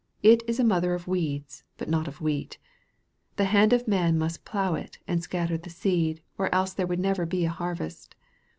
It is a mother of weeds, but not of wheat. The hand of man must plough it, and scatter the seed, or else there would never be a harvest.